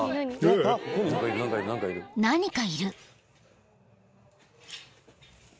［何かいる］